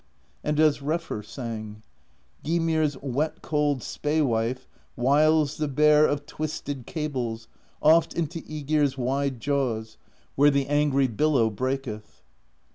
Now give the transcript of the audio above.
And as Refr sang: Gymir's wet cold Spae Wife Wiles the Bear of Twisted Cables Oft into i^gir's wide jaws, Where the angry billow breaketh.